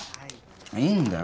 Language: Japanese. いいんだよ。